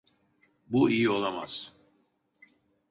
Bu iyi olamaz.